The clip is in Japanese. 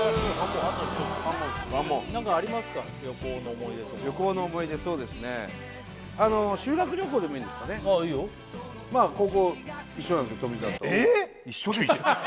ファンモンです何かありますか旅行の思い出とか旅行の思い出そうですね修学旅行でもいいんですかねああいいよ高校一緒なんですけど富澤と一緒ですよ